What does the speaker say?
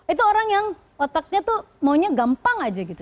itu orang yang otaknya tuh maunya gampang aja gitu